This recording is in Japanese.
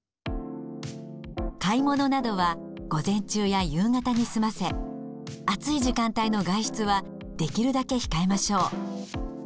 買い物などは午前中や夕方に済ませ暑い時間帯の外出はできるだけ控えましょう。